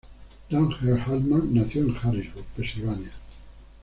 Dan Earl Hartman nació en Harrisburg, Pennsylvania.